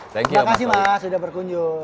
terima kasih mas sudah berkunjung